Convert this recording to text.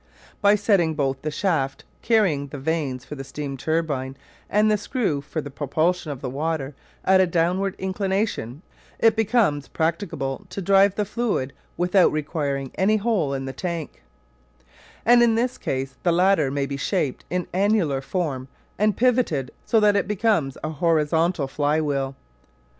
By setting both the shaft carrying the vanes for the steam turbine and the screw for the propulsion of the water at a downward inclination it becomes practicable to drive the fluid without requiring any hole in the tank; and in this case the latter may be shaped in annular form and pivoted so that it becomes a horizontal fly wheel.